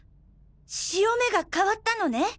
潮目が変わったのね！